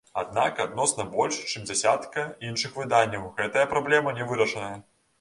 Аднак адносна больш чым дзясятка іншых выданняў гэтая праблема не вырашаная.